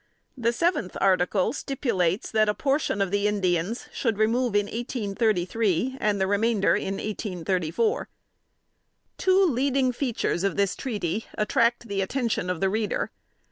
The seventh article stipulates that a portion of the Indians should remove in 1833, and the remainder in 1834. Two leading features of this treaty attract the attention of the reader.